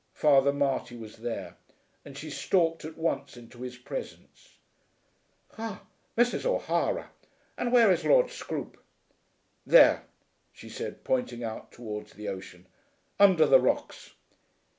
Father Marty was there, and she stalked at once into his presence. "Ha; Mrs. O'Hara! And where is Lord Scroope?" "There," she said, pointing out towards the ocean. "Under the rocks!"